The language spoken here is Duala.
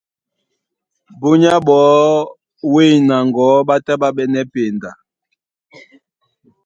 Búnyá ɓɔɔ́ wêy na ŋgɔ̌ ɓá tá ɓá ɓɛ́nɛ́ penda.